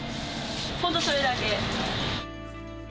本当それだけ。